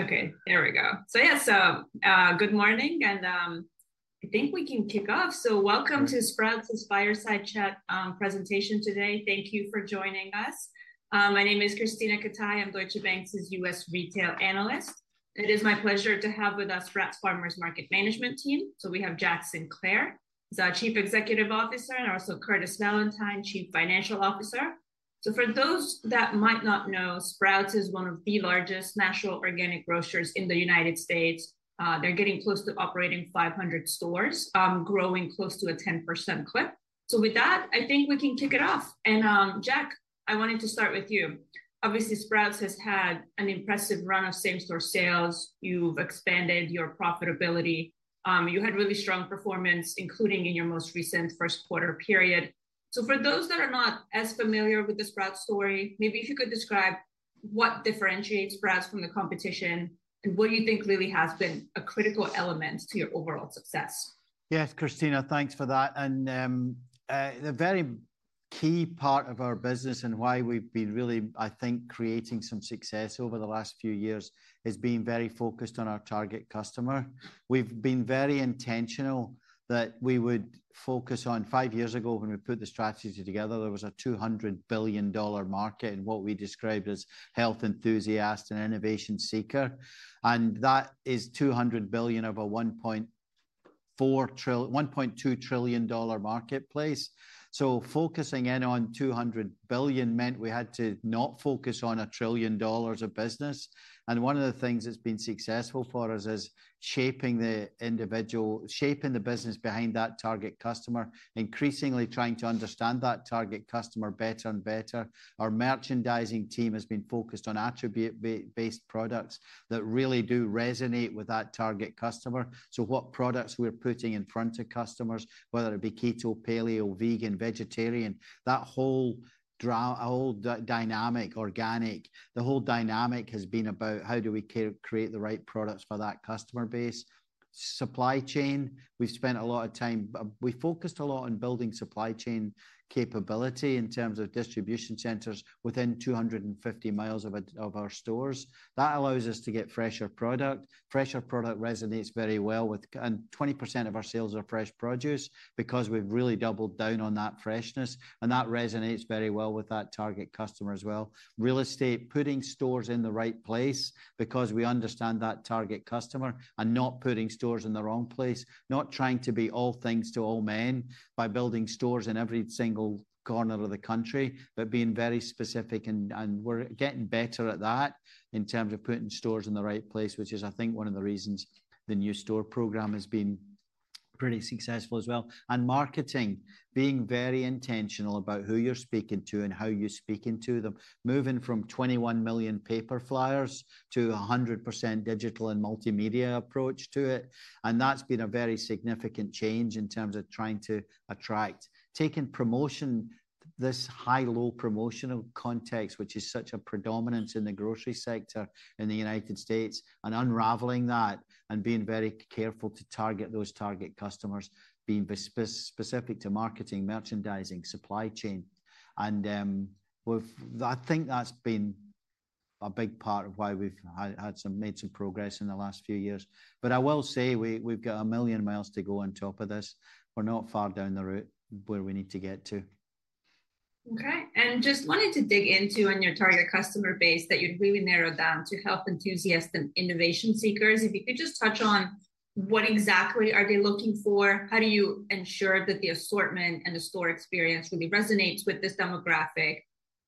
Okay, there we go. Yes, good morning, and I think we can kick off. Welcome to Sprouts' fireside chat presentation today. Thank you for joining us. My name is Krisztina Katai. I'm Deutsche Bank's U.S. Retail Analyst. It is my pleasure to have with us Sprouts Farmers Market Management team. We have Jack Sinclair, who's our Chief Executive Officer, and also Curtis Valentine, Chief Financial Officer. For those that might not know, Sprouts is one of the largest natural organic grocers in the United States. They're getting close to operating 500 stores, growing close to a 10% clip. With that, I think we can kick it off. Jack, I wanted to start with you. Obviously, Sprouts has had an impressive run of same-store sales. You've expanded your profitability. You had really strong performance, including in your most recent first-quarter period. For those that are not as familiar with the Sprouts story, maybe if you could describe what differentiates Sprouts from the competition and what you think really has been a critical element to your overall success. Yes, Krisztina, thanks for that. The very key part of our business and why we've been really, I think, creating some success over the last few years has been very focused on our target customer. We've been very intentional that we would focus on five years ago when we put the strategy together, there was a $200 billion market in what we described as Health Enthusiasts and Innovation Seeker. That is $200 billion of a $1.2 trillion marketplace. Focusing in on $200 billion meant we had to not focus on $1 trillion of business. One of the things that's been successful for us is shaping the business behind that target customer, increasingly trying to understand that target customer better and better. Our merchandising team has been focused on attribute-based products that really do resonate with that target customer. What products we're putting in front of customers, whether it be keto, paleo, vegan, vegetarian, that whole dynamic organic, the whole dynamic has been about how do we create the right products for that customer base. Supply chain, we've spent a lot of time. We focused a lot on building supply chain capability in terms of distribution centers within 250 mi of our stores. That allows us to get fresher product. Fresher product resonates very well with, and 20% of our sales are fresh produce because we've really doubled down on that freshness. That resonates very well with that target customer as well. Real estate, putting stores in the right place because we understand that target customer and not putting stores in the wrong place, not trying to be all things to all men by building stores in every single corner of the country, but being very specific. We're getting better at that in terms of putting stores in the right place, which is, I think, one of the reasons the new store program has been pretty successful as well. Marketing, being very intentional about who you're speaking to and how you're speaking to them, moving from 21 million paper flyers to a 100% digital and multimedia approach to it. That's been a very significant change in terms of trying to attract, taking promotion, this high-low promotional context, which is such a predominance in the grocery sector in the United States, and unraveling that and being very careful to target those target customers, being specific to marketing, merchandising, supply chain. I think that's been a big part of why we've made some progress in the last few years. I will say we've got a million miles to go on top of this. We're not far down the route where we need to get to. Okay. I just wanted to dig into on your target customer base that you'd really narrow down to Health Enthusiasts and Innovation Seekers. If you could just touch on what exactly are they looking for? How do you ensure that the assortment and the store experience really resonates with this demographic?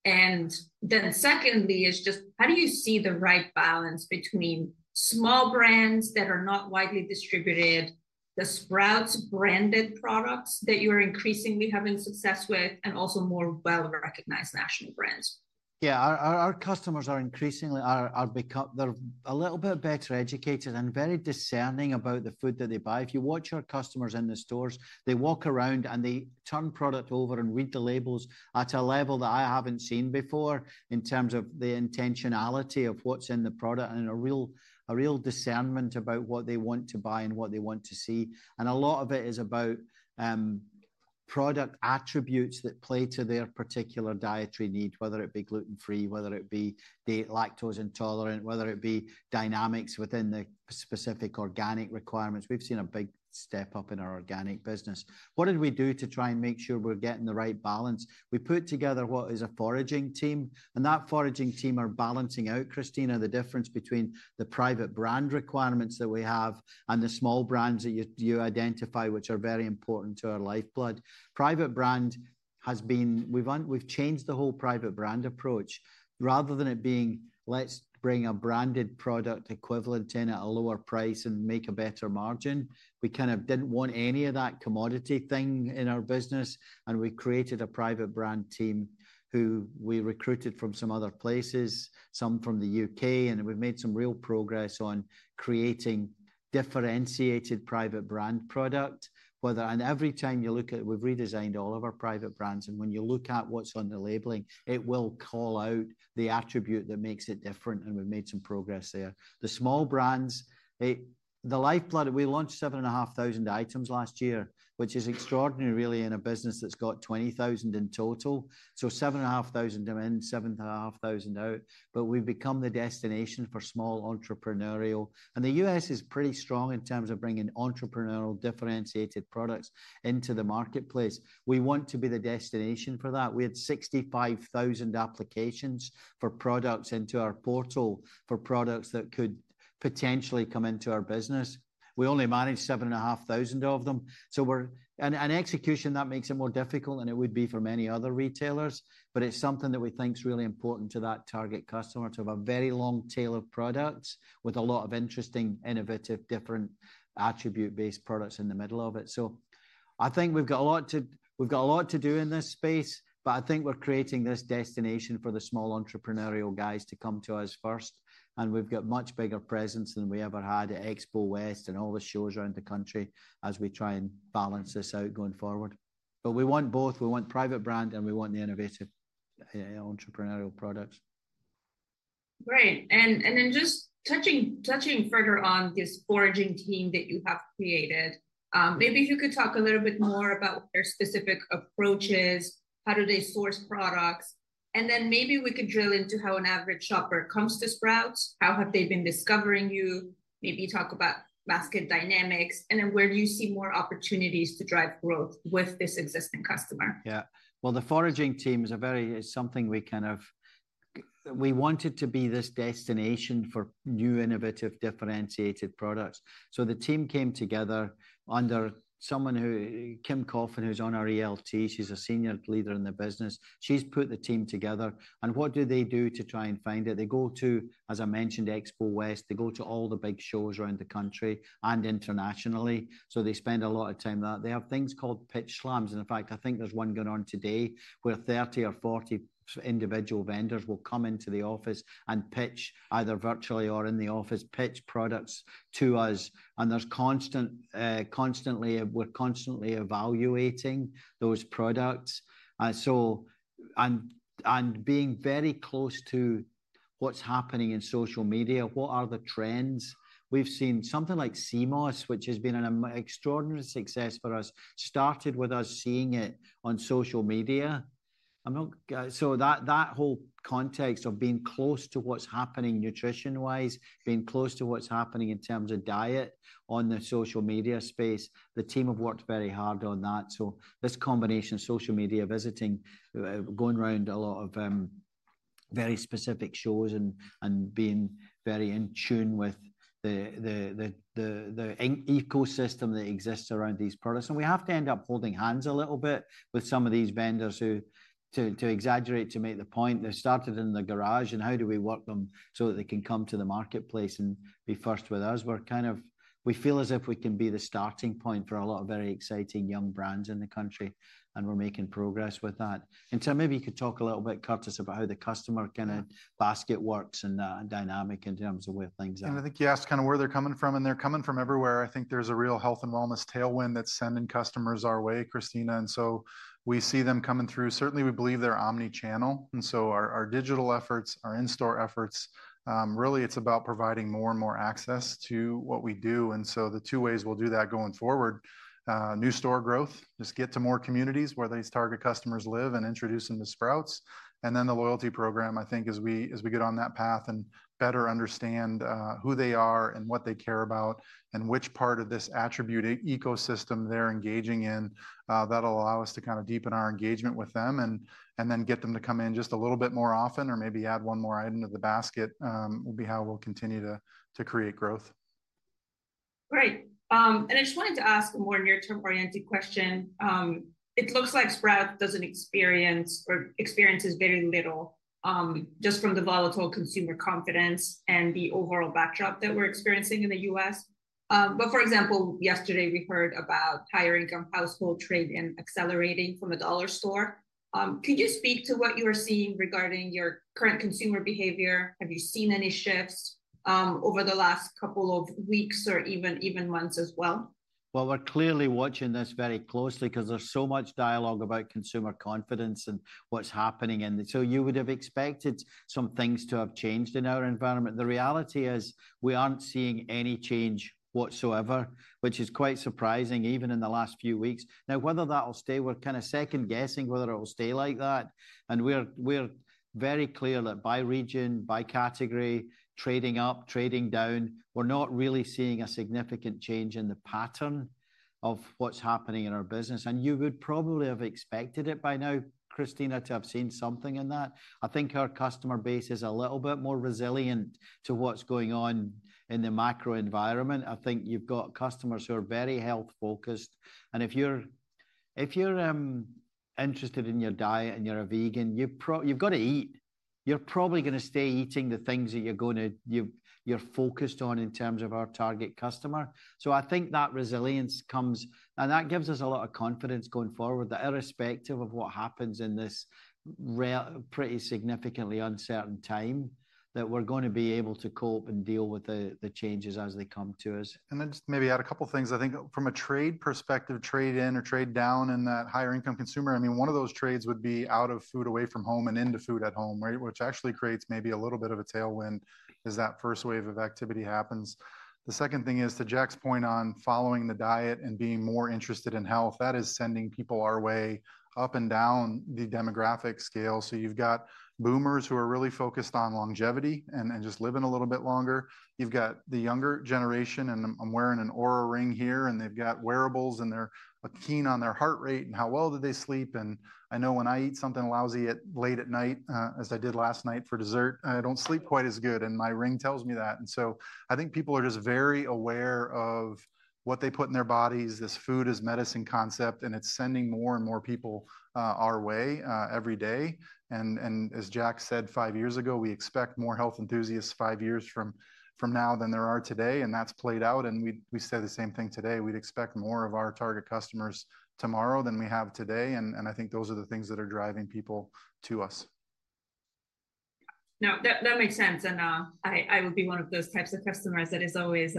Secondly, how do you see the right balance between small brands that are not widely distributed, the Sprouts brand products that you are increasingly having success with, and also more well-recognized national brands? Yeah, our customers are increasingly, they're a little bit better educated and very discerning about the food that they buy. If you watch our customers in the stores, they walk around and they turn product over and read the labels at a level that I haven't seen before in terms of the intentionality of what's in the product and a real discernment about what they want to buy and what they want to see. A lot of it is about product attributes that play to their particular dietary need, whether it be gluten-free, whether it be lactose intolerant, whether it be dynamics within the specific organic requirements. We've seen a big step up in our organic business. What did we do to try and make sure we're getting the right balance? We put together what is a foraging team. That foraging team are balancing out, Krisztina, the difference between the private brand requirements that we have and the small brands that you identify, which are very important to our lifeblood. Private brand has been, we've changed the whole private brand approach. Rather than it being, let's bring a branded product equivalent in at a lower price and make a better margin, we kind of didn't want any of that commodity thing in our business. We created a private brand team who we recruited from some other places, some from the U.K. We've made some real progress on creating differentiated private brand product. Every time you look at, we've redesigned all of our private brands. When you look at what's on the labeling, it will call out the attribute that makes it different. We've made some progress there. The small brands, the lifeblood, we launched 7,500 items last year, which is extraordinary, really, in a business that's got 20,000 in total. So 7,500 in, 7,500 out. We have become the destination for small entrepreneurial. The U.S. is pretty strong in terms of bringing entrepreneurial differentiated products into the marketplace. We want to be the destination for that. We had 65,000 applications for products into our portal for products that could potentially come into our business. We only managed 7,500 of them. We are an execution that makes it more difficult than it would be for many other retailers. It is something that we think is really important to that target customer to have a very long tail of products with a lot of interesting, innovative, different attribute-based products in the middle of it. I think we've got a lot to do in this space, but I think we're creating this destination for the small entrepreneurial guys to come to us first. We've got much bigger presence than we ever had at Expo West and all the shows around the country as we try and balance this out going forward. We want both. We want private brand and we want the innovative entrepreneurial products. Great. Just touching further on this foraging team that you have created, maybe if you could talk a little bit more about their specific approaches, how do they source products? Maybe we could drill into how an average shopper comes to Sprouts. How have they been discovering you? Maybe talk about basket dynamics and then where do you see more opportunities to drive growth with this existing customer? Yeah. The foraging team is a very, it's something we kind of, we wanted to be this destination for new, innovative, differentiated products. The team came together under someone who, Kim Kaufman, who's on our ELT, she's a Senior Leader in the business. She's put the team together. What do they do to try and find it? They go to, as I mentioned, Expo West. They go to all the big shows around the country and internationally. They spend a lot of time on that. They have things called pitch slams. In fact, I think there's one going on today where 30 or 40 individual vendors will come into the office and pitch either virtually or in the office, pitch products to us. We're constantly evaluating those products. Being very close to what's happening in social media, what are the trends? We've seen something like CMOS, which has been an extraordinary success for us, started with us seeing it on social media. That whole context of being close to what's happening nutrition-wise, being close to what's happening in terms of diet on the social media space, the team have worked very hard on that. This combination, social media visiting, going around a lot of very specific shows and being very in tune with the ecosystem that exists around these products. We have to end up holding hands a little bit with some of these vendors who, to exaggerate, to make the point, they started in the garage and how do we work them so that they can come to the marketplace and be first with us. We're kind of, we feel as if we can be the starting point for a lot of very exciting young brands in the country. We're making progress with that. Maybe you could talk a little bit, Curtis, about how the customer kind of basket works and dynamic in terms of where things are. I think you asked kind of where they're coming from, and they're coming from everywhere. I think there's a real health and wellness tailwind that's sending customers our way, Krisztina. We see them coming through. Certainly, we believe they're omnichannel. Our digital efforts, our in-store efforts, really it's about providing more and more access to what we do. The two ways we'll do that going forward, new store growth, just get to more communities where these target customers live and introduce them to Sprouts. The loyalty program, I think as we get on that path and better understand who they are and what they care about and which part of this attribute ecosystem they're engaging in, that'll allow us to kind of deepen our engagement with them and then get them to come in just a little bit more often or maybe add one more item to the basket will be how we'll continue to create growth. Great. I just wanted to ask a more near-term oriented question. It looks like Sprouts doesn't experience or experiences very little just from the volatile consumer confidence and the overall backdrop that we're experiencing in the U.S. For example, yesterday we heard about higher income household trade and accelerating from a dollar store. Could you speak to what you are seeing regarding your current consumer behavior? Have you seen any shifts over the last couple of weeks or even months as well? We're clearly watching this very closely because there's so much dialogue about consumer confidence and what's happening. You would have expected some things to have changed in our environment. The reality is we aren't seeing any change whatsoever, which is quite surprising even in the last few weeks. Now, whether that'll stay, we're kind of second-guessing whether it'll stay like that. We're very clear that by region, by category, trading up, trading down, we're not really seeing a significant change in the pattern of what's happening in our business. You would probably have expected it by now, Krisztina, to have seen something in that. I think our customer base is a little bit more resilient to what's going on in the macro environment. I think you've got customers who are very health-focused. If you're interested in your diet and you're a vegan, you've got to eat. You're probably going to stay eating the things that you're focused on in terms of our target customer. I think that resilience comes, and that gives us a lot of confidence going forward, that irrespective of what happens in this pretty significantly uncertain time, we're going to be able to cope and deal with the changes as they come to us. Just maybe add a couple of things. I think from a trade perspective, trade in or trade down in that higher income consumer, I mean, one of those trades would be out of food away from home and into food at home, right? Which actually creates maybe a little bit of a tailwind as that first wave of activity happens. The second thing is to Jack's point on following the diet and being more interested in health, that is sending people our way up and down the demographic scale. You have got boomers who are really focused on longevity and just living a little bit longer. You have got the younger generation, and I am wearing an Oura Ring here, and they have got wearables, and they are keen on their heart rate and how well did they sleep. I know when I eat something lousy late at night, as I did last night for dessert, I do not sleep quite as well, and my ring tells me that. I think people are just very aware of what they put in their bodies. This food is medicine concept is sending more and more people our way every day. As Jack said five years ago, we expect more health enthusiasts five years from now than there are today. That has played out. We say the same thing today. We would expect more of our target customers tomorrow than we have today. I think those are the things that are driving people to us. No, that makes sense. I would be one of those types of customers that is always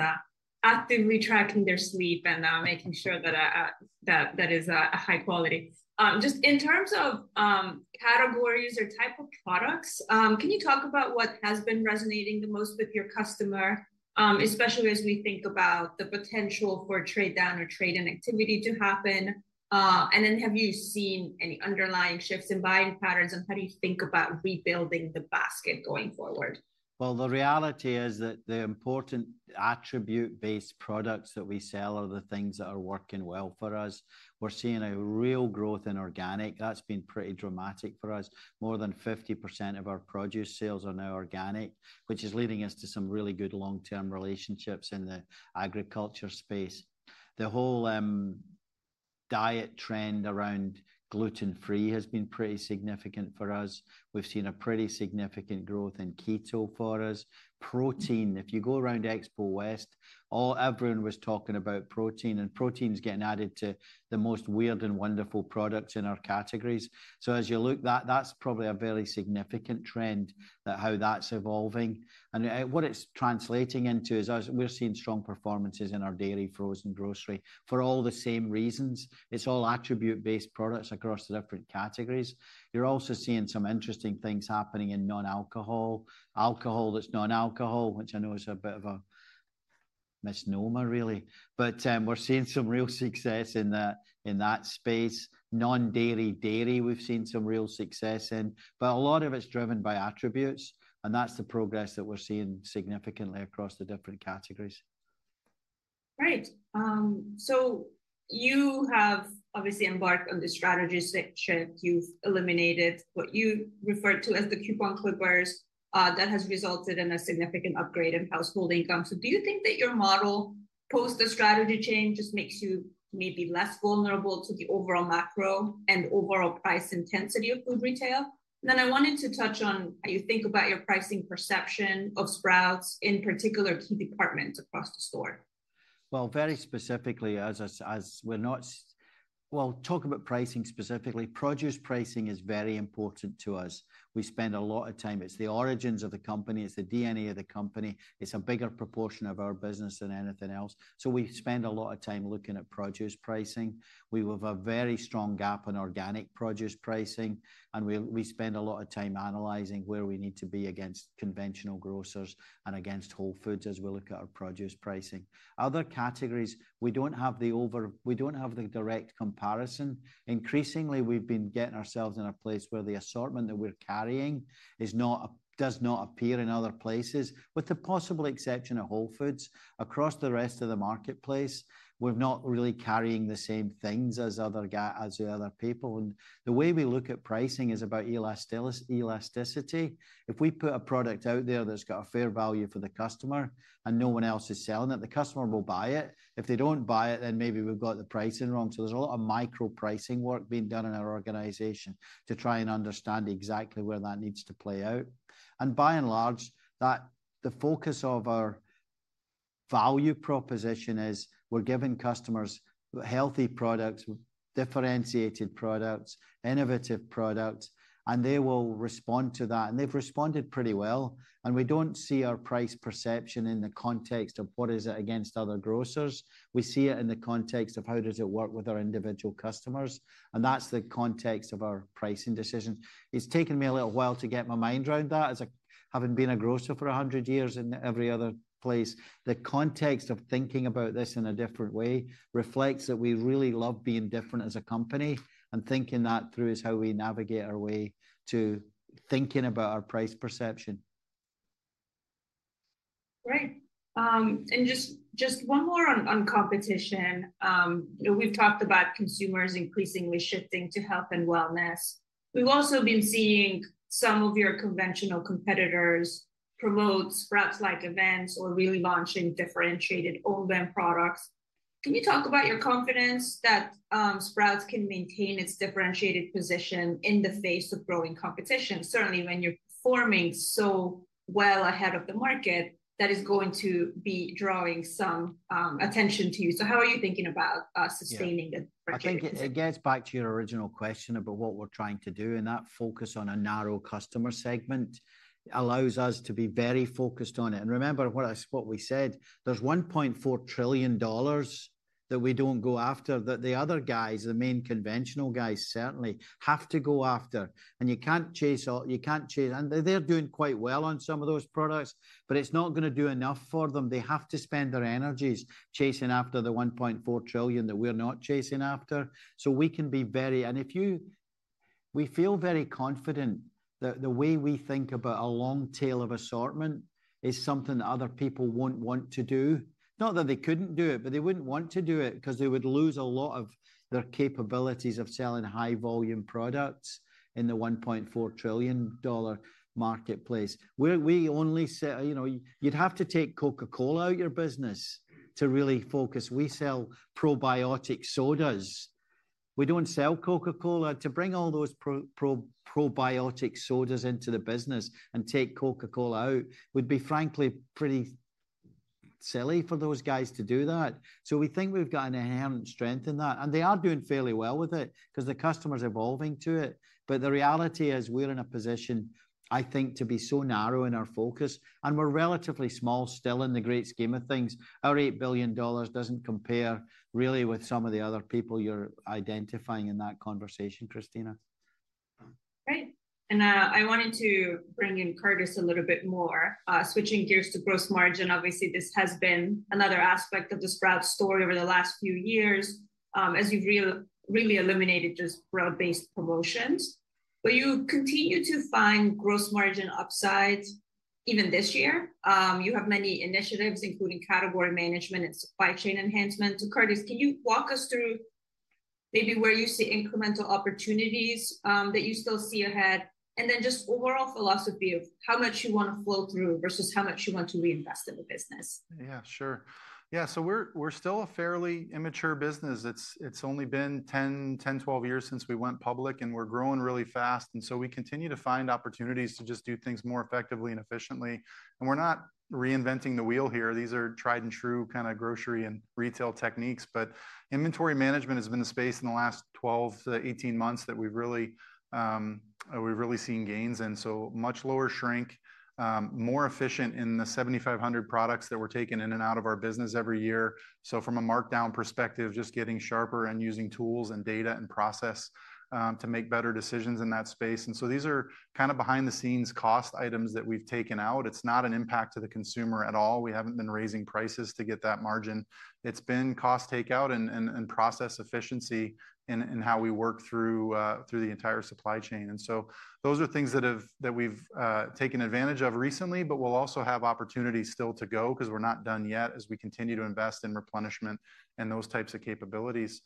actively tracking their sleep and making sure that that is a high quality. Just in terms of categories or type of products, can you talk about what has been resonating the most with your customer, especially as we think about the potential for trade down or trade in activity to happen? Have you seen any underlying shifts in buying patterns? How do you think about rebuilding the basket going forward? The reality is that the important attribute-based products that we sell are the things that are working well for us. We're seeing a real growth in organic. That's been pretty dramatic for us. More than 50% of our produce sales are now organic, which is leading us to some really good long-term relationships in the agriculture space. The whole diet trend around gluten-free has been pretty significant for us. We've seen a pretty significant growth in keto for us. Protein, if you go around Expo West, everyone was talking about protein, and protein's getting added to the most weird and wonderful products in our categories. As you look, that's probably a very significant trend that how that's evolving. What it's translating into is we're seeing strong performances in our dairy frozen grocery for all the same reasons. It's all attribute-based products across the different categories. You're also seeing some interesting things happening in non-alcohol, alcohol that's non-alcohol, which I know is a bit of a misnomer, really. We're seeing some real success in that space. Non-dairy dairy, we've seen some real success in. A lot of it's driven by attributes. That's the progress that we're seeing significantly across the different categories. Great. You have obviously embarked on the strategies that you've eliminated what you referred to as the coupon clippers. That has resulted in a significant upgrade in household income. Do you think that your model post the strategy change just makes you maybe less vulnerable to the overall macro and overall price intensity of food retail? I wanted to touch on how you think about your pricing perception of Sprouts in particular key departments across the store. Very specifically, as we're not, talk about pricing specifically. Produce pricing is very important to us. We spend a lot of time. It's the origins of the company. It's the DNA of the company. It's a bigger proportion of our business than anything else. We spend a lot of time looking at produce pricing. We have a very strong gap in organic produce pricing. We spend a lot of time analyzing where we need to be against conventional grocers and against Whole Foods as we look at our produce pricing. Other categories, we don't have the over, we don't have the direct comparison. Increasingly, we've been getting ourselves in a place where the assortment that we're carrying does not appear in other places, with the possible exception of Whole Foods. Across the rest of the marketplace, we're not really carrying the same things as other people. The way we look at pricing is about elasticity. If we put a product out there that's got a fair value for the customer and no one else is selling it, the customer will buy it. If they do not buy it, then maybe we've got the pricing wrong. There is a lot of micro pricing work being done in our organization to try and understand exactly where that needs to play out. By and large, the focus of our value proposition is we're giving customers healthy products, differentiated products, innovative products, and they will respond to that. They have responded pretty well. We do not see our price perception in the context of what is it against other grocers. We see it in the context of how does it work with our individual customers. That is the context of our pricing decisions. It's taken me a little while to get my mind around that as having been a grocer for 100 years in every other place. The context of thinking about this in a different way reflects that we really love being different as a company. Thinking that through is how we navigate our way to thinking about our price perception. Great. Just one more on competition. We've talked about consumers increasingly shifting to health and wellness. We've also been seeing some of your conventional competitors promote Sprouts-like events or really launching differentiated whole-bean products. Can you talk about your confidence that Sprouts can maintain its differentiated position in the face of growing competition? Certainly, when you're performing so well ahead of the market, that is going to be drawing some attention to you. How are you thinking about sustaining that? I think it gets back to your original question about what we're trying to do. That focus on a narrow customer segment allows us to be very focused on it. Remember what we said, there's $1.4 trillion that we don't go after that the other guys, the main conventional guys, certainly have to go after. You can't chase all, you can't chase, and they're doing quite well on some of those products, but it's not going to do enough for them. They have to spend their energies chasing after the $1.4 trillion that we're not chasing after. We can be very, and if you, we feel very confident that the way we think about a long tail of assortment is something that other people won't want to do. Not that they couldn't do it, but they wouldn't want to do it because they would lose a lot of their capabilities of selling high-volume products in the $1.4 trillion marketplace. We only, you'd have to take Coca-Cola out of your business to really focus. We sell probiotic sodas. We don't sell Coca-Cola. To bring all those probiotic sodas into the business and take Coca-Cola out would be, frankly, pretty silly for those guys to do that. We think we've got an inherent strength in that. They are doing fairly well with it because the customer's evolving to it. The reality is we're in a position, I think, to be so narrow in our focus. We're relatively small still in the great scheme of things. Our $8 billion doesn't compare really with some of the other people you're identifying in that conversation, Krisztina. Great. I wanted to bring in Curtis a little bit more. Switching gears to gross margin, obviously, this has been another aspect of the Sprouts story over the last few years as you've really eliminated just Sprout-based promotions. You continue to find gross margin upsides even this year. You have many initiatives, including category management and supply chain enhancement. Curtis, can you walk us through maybe where you see incremental opportunities that you still see ahead? Just overall philosophy of how much you want to flow through versus how much you want to reinvest in the business. Yeah, sure. Yeah. We're still a fairly immature business. It's only been 10, 12 years since we went public, and we're growing really fast. We continue to find opportunities to just do things more effectively and efficiently. We're not reinventing the wheel here. These are tried and true kind of grocery and retail techniques. Inventory management has been the space in the last 12-18 months that we've really seen gains. Much lower shrink, more efficient in the 7,500 products that were taken in and out of our business every year. From a markdown perspective, just getting sharper and using tools and data and process to make better decisions in that space. These are kind of behind-the-scenes cost items that we've taken out. It's not an impact to the consumer at all. We haven't been raising prices to get that margin. It's been cost takeout and process efficiency in how we work through the entire supply chain. Those are things that we've taken advantage of recently, but we'll also have opportunities still to go because we're not done yet as we continue to invest in replenishment and those types of capabilities.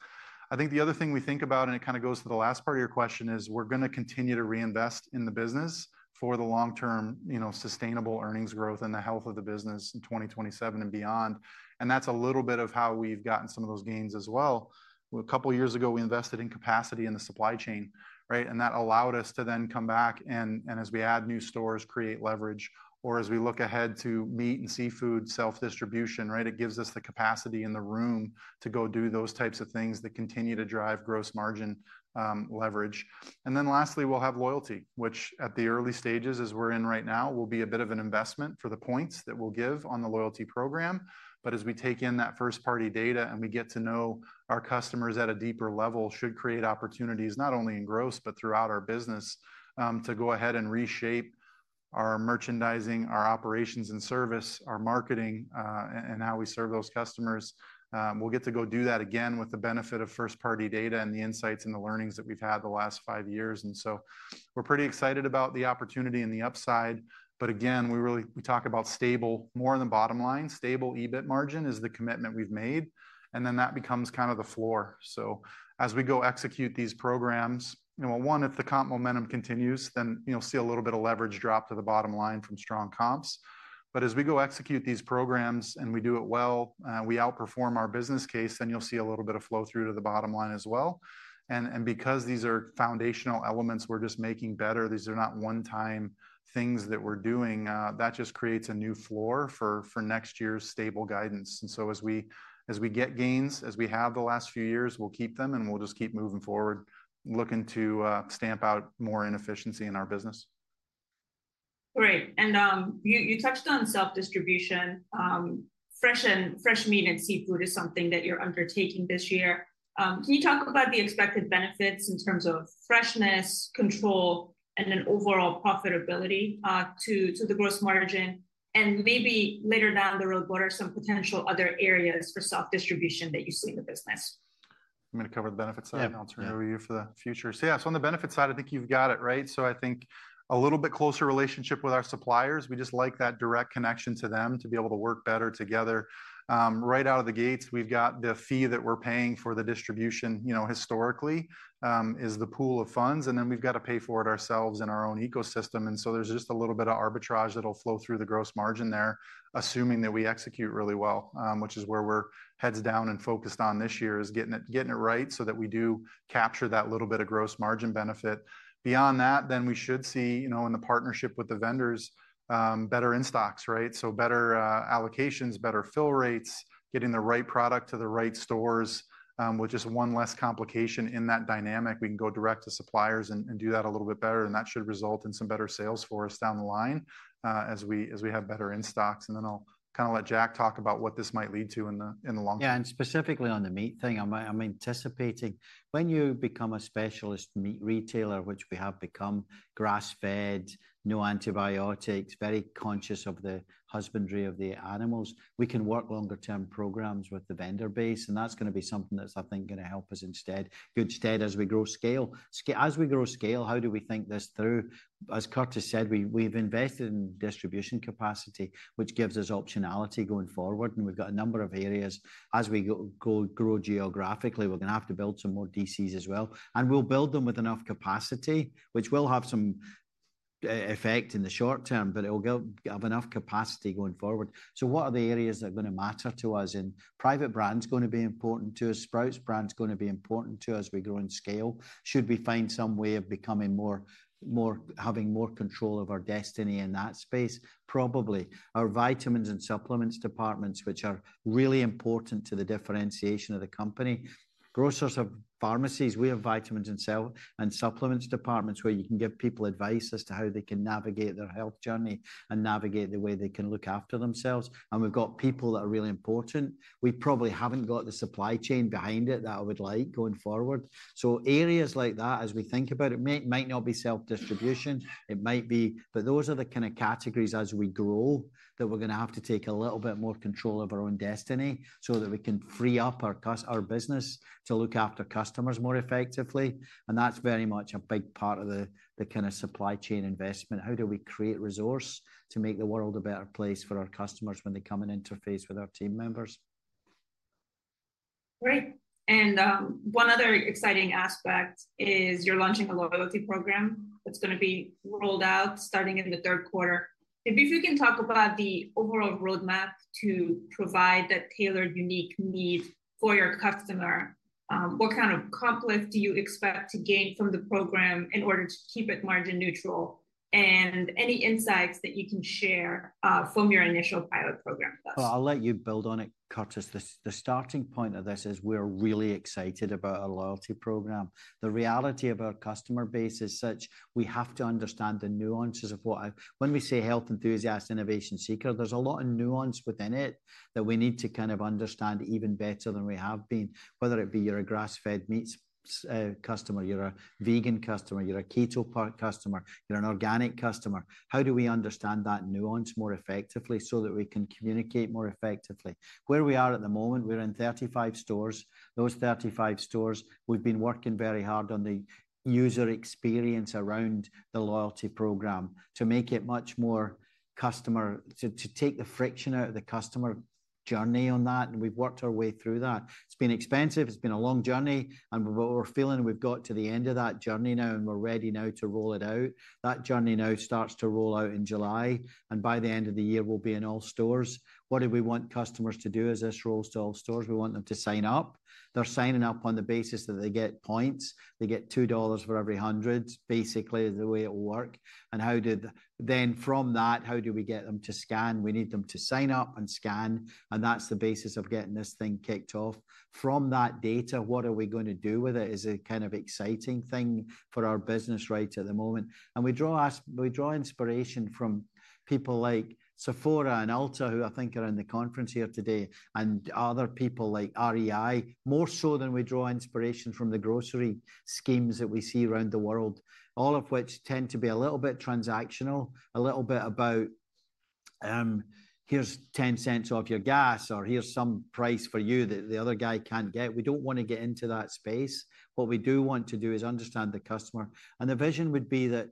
I think the other thing we think about, and it kind of goes to the last part of your question, is we're going to continue to reinvest in the business for the long-term sustainable earnings growth and the health of the business in 2027 and beyond. That's a little bit of how we've gotten some of those gains as well. A couple of years ago, we invested in capacity in the supply chain, right? That allowed us to then come back and, as we add new stores, create leverage, or as we look ahead to meat and seafood self-distribution, right? It gives us the capacity in the room to go do those types of things that continue to drive gross margin leverage. Lastly, we'll have loyalty, which at the early stages, as we're in right now, will be a bit of an investment for the points that we'll give on the loyalty program. As we take in that first-party data and we get to know our customers at a deeper level, it should create opportunities not only in gross, but throughout our business to go ahead and reshape our merchandising, our operations and service, our marketing, and how we serve those customers. We get to go do that again with the benefit of first-party data and the insights and the learnings that we've had the last five years. We are pretty excited about the opportunity and the upside. Again, we really talk about stable, more on the bottom line. Stable EBIT margin is the commitment we've made. That becomes kind of the floor. As we go execute these programs, one, if the comp momentum continues, then you'll see a little bit of leverage drop to the bottom line from strong comps. As we go execute these programs and we do it well, we outperform our business case, then you'll see a little bit of flow through to the bottom line as well. Because these are foundational elements we're just making better, these are not one-time things that we're doing. That just creates a new floor for next year's stable guidance. As we get gains, as we have the last few years, we'll keep them and we'll just keep moving forward, looking to stamp out more inefficiency in our business. Great. You touched on self-distribution. Fresh meat and seafood is something that you're undertaking this year. Can you talk about the expected benefits in terms of freshness, control, and then overall profitability to the gross margin? Maybe later down the road, what are some potential other areas for self-distribution that you see in the business? I'm going to cover the benefits side. I'll turn it over to you for the future. Yeah, on the benefits side, I think you've got it right. I think a little bit closer relationship with our suppliers. We just like that direct connection to them to be able to work better together. Right out of the gates, we've got the fee that we're paying for the distribution historically is the pool of funds. Then we've got to pay for it ourselves in our own ecosystem. There's just a little bit of arbitrage that'll flow through the gross margin there, assuming that we execute really well, which is where we're heads down and focused on this year is getting it right so that we do capture that little bit of gross margin benefit. Beyond that, we should see in the partnership with the vendors, better in stocks, right? Better allocations, better fill rates, getting the right product to the right stores with just one less complication in that dynamic. We can go direct to suppliers and do that a little bit better. That should result in some better sales for us down the line as we have better in stocks. I'll kind of let Jack talk about what this might lead to in the long term. Yeah, and specifically on the meat thing, I'm anticipating when you become a specialist meat retailer, which we have become, grass-fed, no antibiotics, very conscious of the husbandry of the animals, we can work longer-term programs with the vendor base. That's going to be something that's, I think, going to help us instead. Good stead as we grow scale. As we grow scale, how do we think this through? As Curtis said, we've invested in distribution capacity, which gives us optionality going forward. We've got a number of areas as we grow geographically. We're going to have to build some more DCs as well. We'll build them with enough capacity, which will have some effect in the short term, but it'll have enough capacity going forward. What are the areas that are going to matter to us? Private brand's going to be important to us. Sprouts brand's going to be important to us as we grow in scale. Should we find some way of becoming more, having more control of our destiny in that space? Probably. Our vitamins and supplements departments, which are really important to the differentiation of the company. Grocers have pharmacies. We have vitamins and supplements departments where you can give people advice as to how they can navigate their health journey and navigate the way they can look after themselves. We've got people that are really important. We probably haven't got the supply chain behind it that I would like going forward. Areas like that, as we think about it, might not be self-distribution. It might be, but those are the kind of categories as we grow that we're going to have to take a little bit more control of our own destiny so that we can free up our business to look after customers more effectively. That is very much a big part of the kind of supply chain investment. How do we create resource to make the world a better place for our customers when they come and interface with our team members? Great. One other exciting aspect is you're launching a loyalty program that's going to be rolled out starting in the third quarter. Maybe if you can talk about the overall roadmap to provide that tailored unique need for your customer, what kind of comp do you expect to gain from the program in order to keep it margin neutral? Any insights that you can share from your initial pilot program? I'll let you build on it, Curtis. The starting point of this is we're really excited about our loyalty program. The reality of our customer base is such. We have to understand the nuances of what I, when we say health enthusiast, innovation seeker, there's a lot of nuance within it that we need to kind of understand even better than we have been. Whether it be you're a grass-fed meat customer, you're a vegan customer, you're a keto customer, you're an organic customer, how do we understand that nuance more effectively so that we can communicate more effectively? Where we are at the moment, we're in 35 stores. Those 35 stores, we've been working very hard on the user experience around the loyalty program to make it much more customer, to take the friction out of the customer journey on that. We've worked our way through that. It's been expensive. It's been a long journey. What we're feeling, we've got to the end of that journey now, and we're ready now to roll it out. That journey now starts to roll out in July. By the end of the year, we'll be in all stores. What do we want customers to do as this rolls to all stores? We want them to sign up. They're signing up on the basis that they get points. They get $2 for every hundred, basically, is the way it will work. From that, how do we get them to scan? We need them to sign up and scan. That's the basis of getting this thing kicked off. From that data, what are we going to do with it is a kind of exciting thing for our business right at the moment. We draw inspiration from people like Sephora and Ulta, who I think are in the conference here today, and other people like REI, more so than we draw inspiration from the grocery schemes that we see around the world, all of which tend to be a little bit transactional, a little bit about, "Here's 10 cents off your gas," or, "Here's some price for you that the other guy cannot get." We do not want to get into that space. What we do want to do is understand the customer. The vision would be that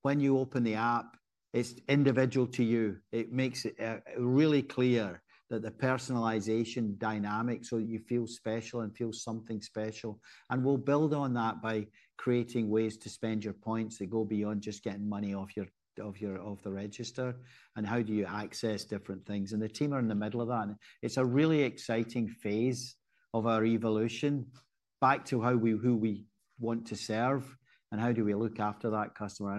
when you open the app, it is individual to you. It makes it really clear that the personalization dynamic so that you feel special and feel something special. We will build on that by creating ways to spend your points that go beyond just getting money off the register and how you access different things. The team are in the middle of that. It is a really exciting phase of our evolution back to who we want to serve and how we look after that customer.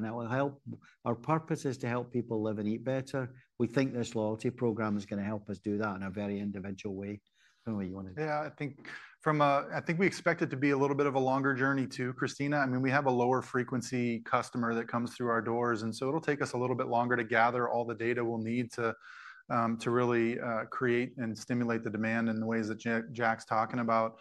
Our purpose is to help people live and eat better. We think this loyalty program is going to help us do that in a very individual way. I do not know what you want to do. Yeah, I think we expect it to be a little bit of a longer journey too, Krisztina. I mean, we have a lower frequency customer that comes through our doors. It will take us a little bit longer to gather all the data we will need to really create and stimulate the demand in the ways that Jack is talking about.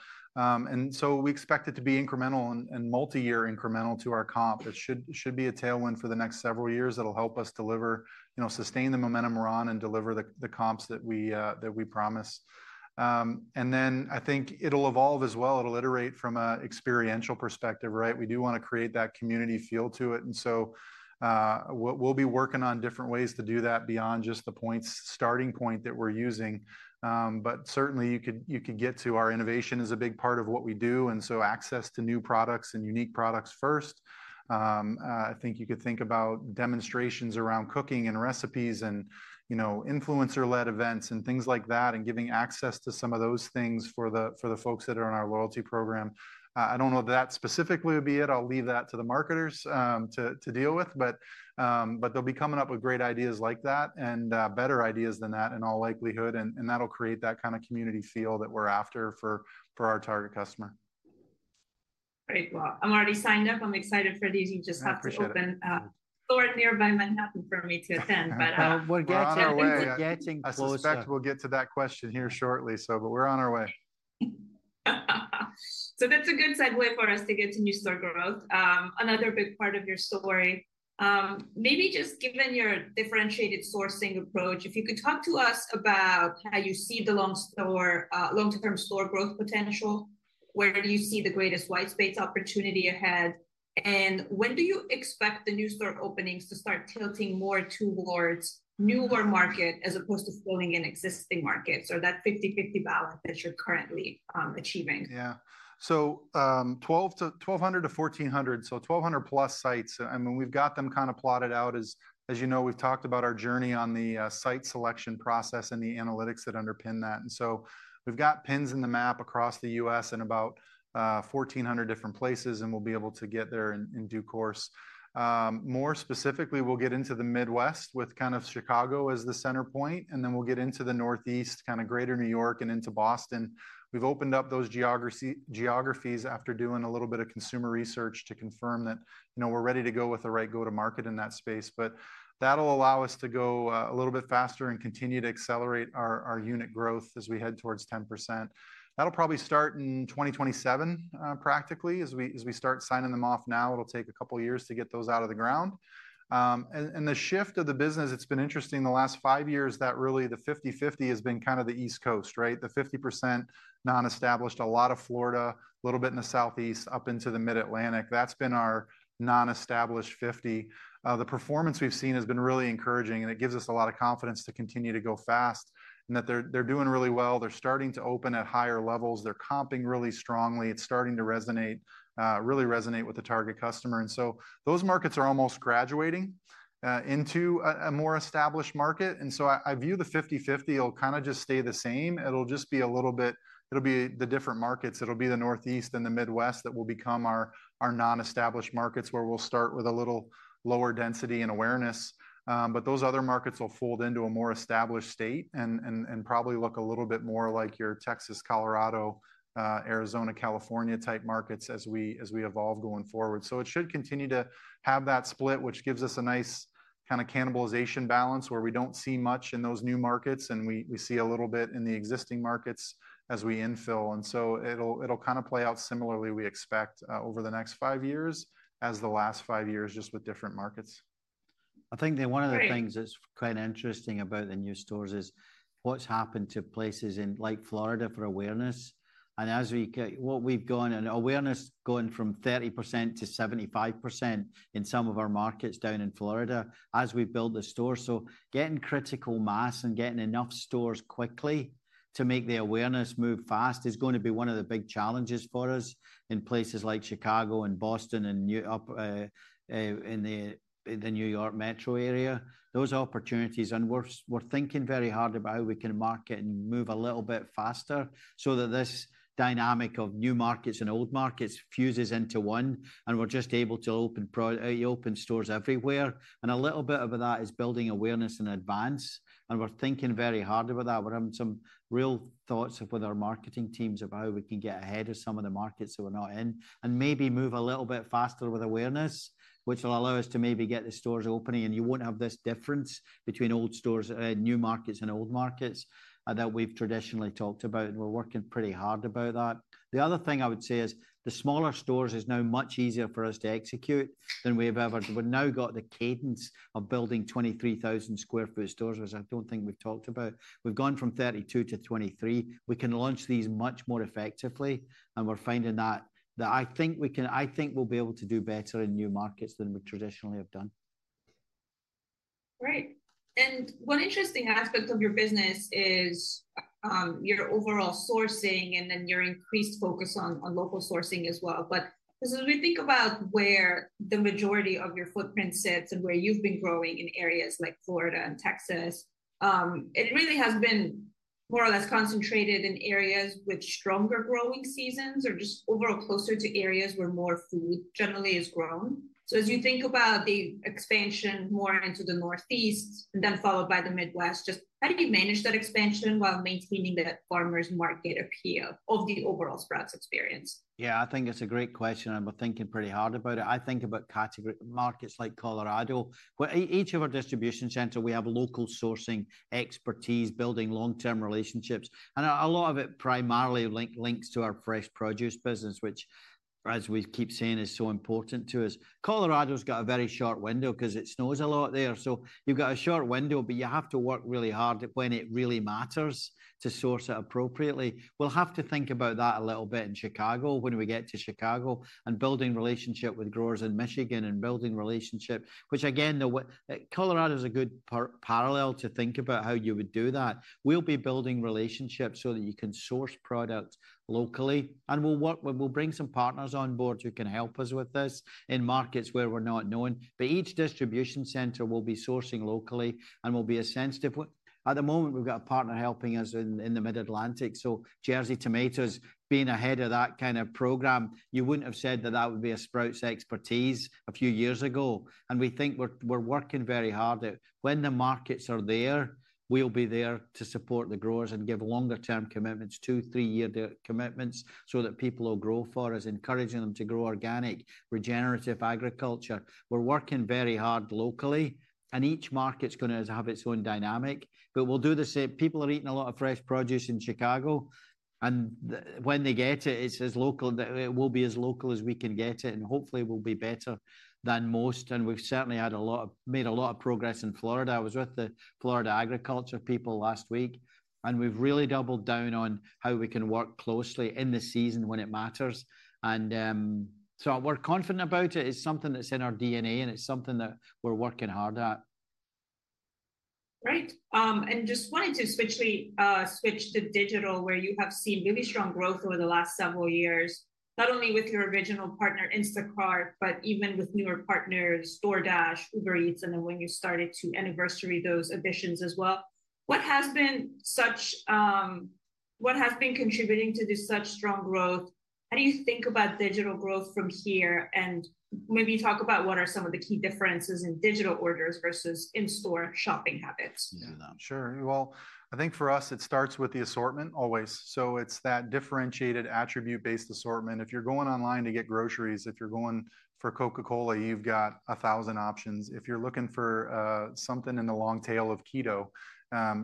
We expect it to be incremental and multi-year incremental to our comp. It should be a tailwind for the next several years that will help us deliver, sustain the momentum we are on and deliver the comps that we promise. I think it will evolve as well. It will iterate from an experiential perspective, right? We do want to create that community feel to it. We will be working on different ways to do that beyond just the points starting point that we are using. Certainly, you could get to our innovation is a big part of what we do. So access to new products and unique products first. I think you could think about demonstrations around cooking and recipes and influencer-led events and things like that and giving access to some of those things for the folks that are in our loyalty program. I do not know that that specifically would be it. I will leave that to the marketers to deal with. They will be coming up with great ideas like that and better ideas than that in all likelihood. That will create that kind of community feel that we are after for our target customer. Great. I'm already signed up. I'm excited for these. You just have to open a store nearby Manhattan for me to attend. We're getting closer. I suspect we'll get to that question here shortly. We're on our way. That's a good segue for us to get to new store growth. Another big part of your story. Maybe just given your differentiated sourcing approach, if you could talk to us about how you see the long-term store growth potential, where do you see the greatest white space opportunity ahead? When do you expect the new store openings to start tilting more towards newer markets as opposed to filling in existing markets or that 50/50 balance that you're currently achieving? Yeah. So 1,200-1,400. So 1,200+ sites. I mean, we've got them kind of plotted out. As you know, we've talked about our journey on the site selection process and the analytics that underpin that. We've got pins in the map across the U.S. in about 1,400 different places, and we'll be able to get there in due course. More specifically, we'll get into the Midwest with kind of Chicago as the center point. We will get into the Northeast, kind of greater New York and into Boston. We've opened up those geographies after doing a little bit of consumer research to confirm that we're ready to go with the right go-to-market in that space. That'll allow us to go a little bit faster and continue to accelerate our unit growth as we head towards 10%. That'll probably start in 2027, practically. As we start signing them off now, it'll take a couple of years to get those out of the ground. The shift of the business, it's been interesting the last five years that really the 50/50 has been kind of the East Coast, right? The 50% non-established, a lot of Florida, a little bit in the Southeast, up into the Mid-Atlantic. That's been our non-established 50%. The performance we've seen has been really encouraging, and it gives us a lot of confidence to continue to go fast and that they're doing really well. They're starting to open at higher levels. They're comping really strongly. It's starting to resonate, really resonate with the target customer. Those markets are almost graduating into a more established market. I view the 50/50, it'll kind of just stay the same. It'll just be a little bit, it'll be the different markets. It'll be the Northeast and the Midwest that will become our non-established markets where we'll start with a little lower density and awareness. Those other markets will fold into a more established state and probably look a little bit more like your Texas, Colorado, Arizona, California type markets as we evolve going forward. It should continue to have that split, which gives us a nice kind of cannibalization balance where we don't see much in those new markets, and we see a little bit in the existing markets as we infill. It'll kind of play out similarly, we expect, over the next five years as the last five years, just with different markets. I think one of the things that's quite interesting about the new stores is what's happened to places in like Florida for awareness. As we get, what we've gone and awareness going from 30%-75% in some of our markets down in Florida as we build the store. Getting critical mass and getting enough stores quickly to make the awareness move fast is going to be one of the big challenges for us in places like Chicago and Boston and the New York metro area. Those opportunities, and we're thinking very hard about how we can market and move a little bit faster so that this dynamic of new markets and old markets fuses into one. We're just able to open stores everywhere. A little bit of that is building awareness in advance. We're thinking very hard about that. We're having some real thoughts with our marketing teams about how we can get ahead of some of the markets that we're not in and maybe move a little bit faster with awareness, which will allow us to maybe get the stores opening. You won't have this difference between old stores, new markets, and old markets that we've traditionally talked about. We're working pretty hard about that. The other thing I would say is the smaller stores is now much easier for us to execute than we've ever. We've now got the cadence of building 23,000 sq ft stores, which I don't think we've talked about. We've gone from 32,000 sq ft-23,000 sq ft. We can launch these much more effectively. We're finding that I think we'll be able to do better in new markets than we traditionally have done. Great. One interesting aspect of your business is your overall sourcing and then your increased focus on local sourcing as well. As we think about where the majority of your footprint sits and where you've been growing in areas like Florida and Texas, it really has been more or less concentrated in areas with stronger growing seasons or just overall closer to areas where more food generally is grown. As you think about the expansion more into the Northeast and then followed by the Midwest, just how do you manage that expansion while maintaining that farmers' market appeal of the overall Sprouts experience? Yeah, I think it's a great question. I've been thinking pretty hard about it. I think about markets like Colorado. Each of our distribution centers, we have local sourcing expertise, building long-term relationships. A lot of it primarily links to our fresh produce business, which, as we keep saying, is so important to us. Colorado's got a very short window because it snows a lot there. You have a short window, but you have to work really hard when it really matters to source it appropriately. We'll have to think about that a little bit in Chicago when we get to Chicago and building relationship with growers in Michigan and building relationship, which again, Colorado's a good parallel to think about how you would do that. We'll be building relationships so that you can source products locally. We will bring some partners on board who can help us with this in markets where we are not known. Each distribution center will be sourcing locally and will be a sensitive one. At the moment, we have a partner helping us in the Mid-Atlantic. Jersey Tomatoes being ahead of that kind of program, you would not have said that that would be a Sprouts expertise a few years ago. We think we are working very hard at when the markets are there, we will be there to support the growers and give longer-term commitments, two- to three-year commitments so that people will grow for us, encouraging them to grow organic, regenerative agriculture. We are working very hard locally. Each market is going to have its own dynamic. We will do the same. People are eating a lot of fresh produce in Chicago. When they get it, it will be as local as we can get it. Hopefully, we'll be better than most. We've certainly made a lot of progress in Florida. I was with the Florida agriculture people last week. We've really doubled down on how we can work closely in the season when it matters. We're confident about it. It's something that's in our DNA, and it's something that we're working hard at. Great. I just wanted to switch to digital where you have seen really strong growth over the last several years, not only with your original partner, Instacart, but even with newer partners, DoorDash, Uber Eats, and then when you started to anniversary those additions as well. What has been contributing to this such strong growth? How do you think about digital growth from here? Maybe talk about what are some of the key differences in digital orders versus in-store shopping habits? Sure. I think for us, it starts with the assortment always. It is that differentiated attribute-based assortment. If you are going online to get groceries, if you are going for Coca-Cola, you have got 1,000 options. If you are looking for something in the long tail of keto,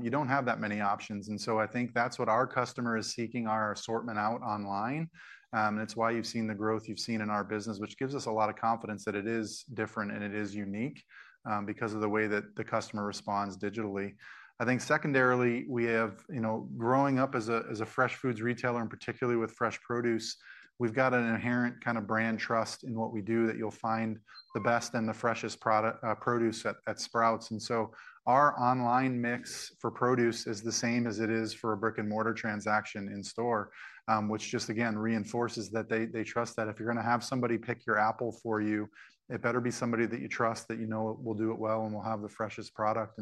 you do not have that many options. I think that is what our customer is seeking, our assortment out online. It is why you have seen the growth you have seen in our business, which gives us a lot of confidence that it is different and it is unique because of the way that the customer responds digitally. I think secondarily, we have growing up as a fresh foods retailer, and particularly with fresh produce, we have got an inherent kind of brand trust in what we do that you will find the best and the freshest produce at Sprouts. Our online mix for produce is the same as it is for a Brick and Mortar transaction in store, which just, again, reinforces that they trust that if you're going to have somebody pick your apple for you, it better be somebody that you trust that you know will do it well and will have the freshest product.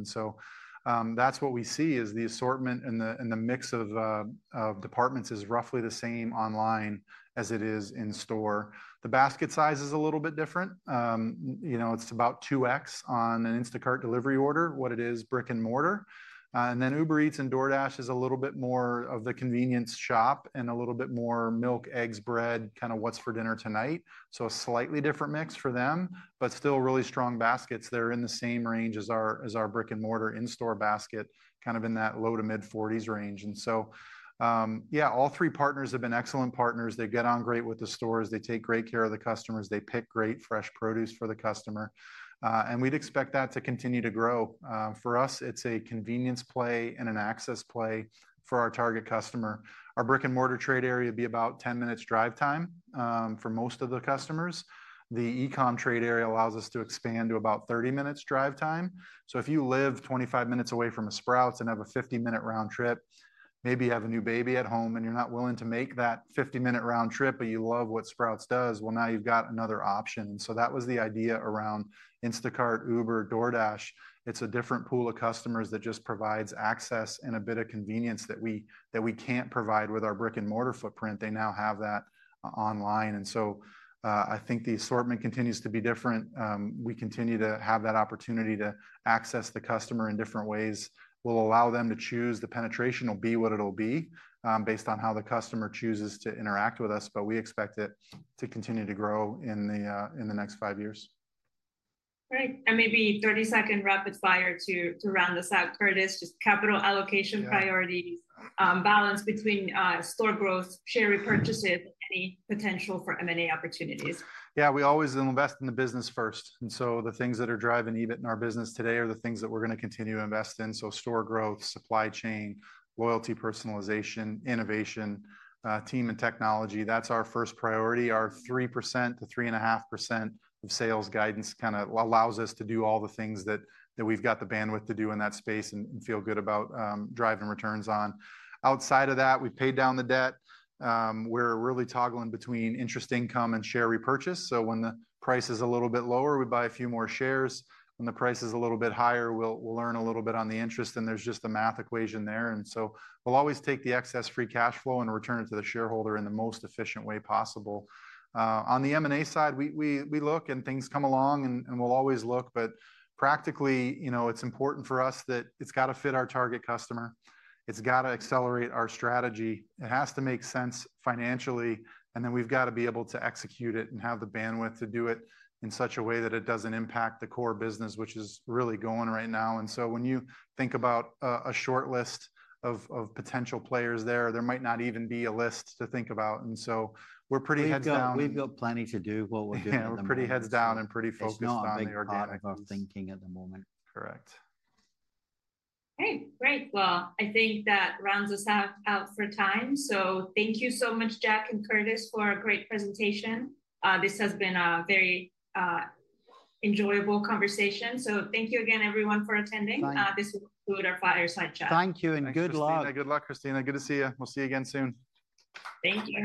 That is what we see is the assortment and the mix of departments is roughly the same online as it is in store. The basket size is a little bit different. It's about 2X on an Instacart delivery order, what it is, Brick and Mortar. Uber Eats and DoorDash is a little bit more of the convenience shop and a little bit more milk, eggs, bread, kind of what's for dinner tonight. A slightly different mix for them, but still really strong baskets. They're in the same range as our Brick and Mortar in-store basket, kind of in that low to mid-40s range. Yeah, all three partners have been excellent partners. They get on great with the stores. They take great care of the customers. They pick great fresh produce for the customer. We'd expect that to continue to grow. For us, it's a convenience play and an access play for our target customer. Our Brick and Mortar trade area would be about 10 minutes drive time for most of the customers. The e-com trade area allows us to expand to about 30 minutes drive time. If you live 25 minutes away from a Sprouts and have a 50-minute round trip, maybe you have a new baby at home and you're not willing to make that 50-minute round trip, but you love what Sprouts does, now you've got another option. That was the idea around Instacart, Uber, DoorDash. It's a different pool of customers that just provides access and a bit of convenience that we can't provide with our Brick and Mortar footprint. They now have that online. I think the assortment continues to be different. We continue to have that opportunity to access the customer in different ways. We'll allow them to choose. The penetration will be what it'll be based on how the customer chooses to interact with us. We expect it to continue to grow in the next five years. Great. Maybe 30-second rapid fire to round this out, Curtis, just capital allocation priorities, balance between store growth, share repurchases, any potential for M&A opportunities. Yeah, we always invest in the business first. The things that are driving EBIT in our business today are the things that we're going to continue to invest in. Store growth, supply chain, loyalty personalization, innovation, team and technology, that's our first priority. Our 3%-3.5% of sales guidance kind of allows us to do all the things that we've got the bandwidth to do in that space and feel good about driving returns on. Outside of that, we've paid down the debt. We're really toggling between interest income and share repurchase. When the price is a little bit lower, we buy a few more shares. When the price is a little bit higher, we'll earn a little bit on the interest. There's just a math equation there. We will always take the excess free cash flow and return it to the shareholder in the most efficient way possible. On the M&A side, we look and things come along and we will always look. Practically, it is important for us that it has to fit our target customer. It has to accelerate our strategy. It has to make sense financially. We have to be able to execute it and have the bandwidth to do it in such a way that it does not impact the core business, which is really going right now. When you think about a short list of potential players there, there might not even be a list to think about. We are pretty heads down. We've got plenty to do while we're doing it. Yeah, we're pretty heads down and pretty focused on the organic thinking at the moment. Correct. Okay. Great. I think that rounds us out for time. Thank you so much, Jack and Curtis, for a great presentation. This has been a very enjoyable conversation. Thank you again, everyone, for attending. This will conclude our fireside chat. Thank you and good luck. Krisztina, good luck, Krisztina. Good to see you. We'll see you again soon. Thank you.